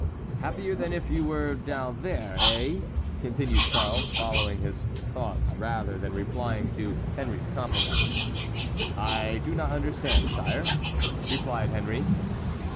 "Happier than if you were down there, eh?" continued Charles, following his own thoughts rather than replying to Henry's compliment. "I do not understand, sire," replied Henry.